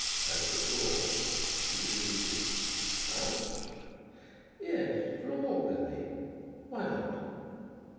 As before, he repeated, "Out?" "Yes; for a walk with me. Why not?"